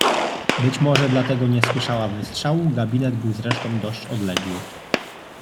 "Być może dlatego nie słyszała wystrzału, gabinet był zresztą dość odległy."